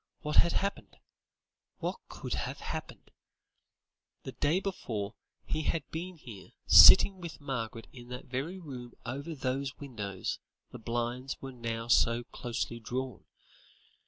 What had happened? What could have happened? The day before, he had been here, sitting with Margaret in that very room over whose windows the blinds were now so closely drawn.